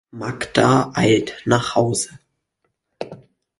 Magda eilt nach Hause.